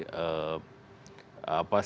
bahwa indonesia itu bagian dari